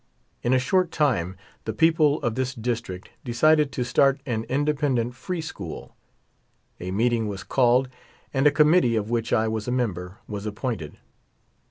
In a short time the people of this District decided to start an independent free school. A meeting was called and a committee, of which I was a member, was appointed.